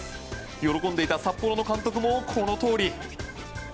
喜んでいた札幌の監督もこのとおり。